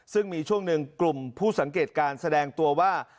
ซึ่งมีช่วงหนึ่งกลุ่มผู้สังเกตการแสดงตัวว่า